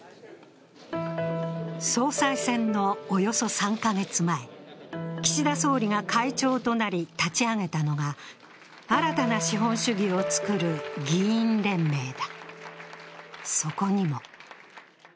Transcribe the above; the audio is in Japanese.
総裁選のおよそ３カ月前、岸田総理が会長となり立ち上げたのが新たな資本主義を作る議員連盟だ。